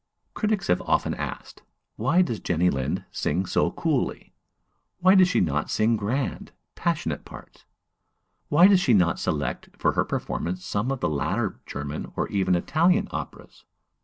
Critics have often asked, Why does Jenny Lind sing so coolly? why does she not sing grand, passionate parts? why does she not select for her performances some of the later German or even Italian operas?